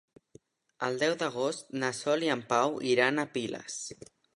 El deu d'agost na Sol i en Pau iran a Piles.